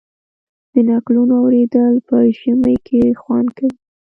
د نکلونو اوریدل په ژمي کې خوند کوي.